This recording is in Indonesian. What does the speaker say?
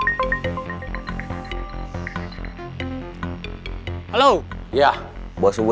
pauk pas pokemon terjung listen recently kalian jugadeventer